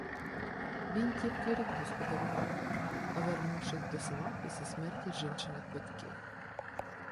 Він тільки рік господарював, вернувшись до села після смерті жінчиних батьків.